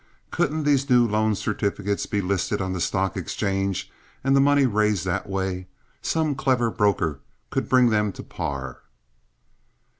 Couldn't these new loan certificates be listed on the stock exchange and the money raised that way? Some clever broker could bring them to par."